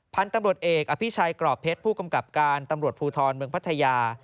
พันธุ์ตำรวจเอกอภิชัยกรอบเพชรผู้กำกับการตำรวจภูทรเมืองพัทยา